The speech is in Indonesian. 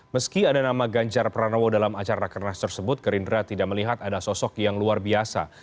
meski ada nama ganjar pranowo dalam acara rakenas tersebut gerindra tidak melihat ada sosok yang luar biasa